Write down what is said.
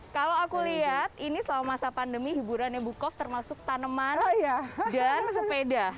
kalau aku lihat ini selama masa pandemi hiburannya bukov termasuk tanaman dan sepeda